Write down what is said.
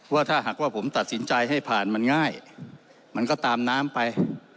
ว่าถ้าหากว่าผมตัดสินใจให้ผ่านมันง่ายมันก็ตามน้ำไป